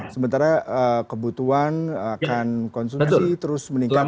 sementara kebutuhan akan konsumsi terus meningkat